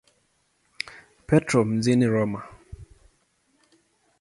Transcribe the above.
Petro mjini Roma.